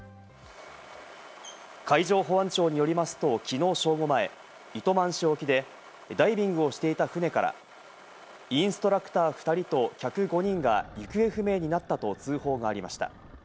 海上保安庁によりますと、きのう正午前、糸満市沖でダイビングをしていた船から、インストラクター２人と客５人が行方不明になったと通報がありました。